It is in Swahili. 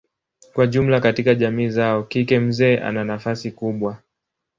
Kwa jumla katika jamii zao kike mzee ana nafasi kubwa.